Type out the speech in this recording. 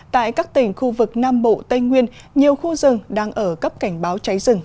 tại các tỉnh khu vực nam bộ tây nguyên nhiều khu rừng đang ở cấp cảnh báo cháy rừng